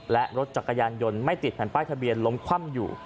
และรถจักรยานยนต์ไม่ติดแผ่นป้ายทะเบียนล้มคว่ำอยู่